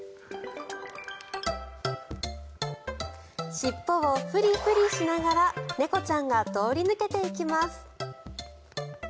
尻尾をフリフリしながら猫ちゃんが通り抜けていきます。